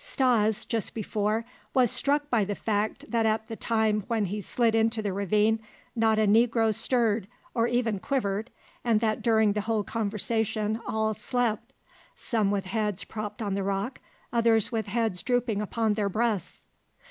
Stas, just before, was struck by the fact that at the time when he slid into the ravine not a negro stirred or even quivered, and that during the whole conversation all slept some with heads propped on the rock, others with heads drooping upon their breasts.